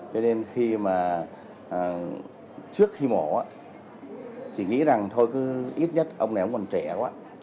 cho nên khi mà trước khi mổ chỉ nghĩ rằng thôi cứ ít nhất ông nào còn trẻ quá